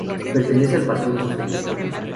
Pertenece al Partido Socialista.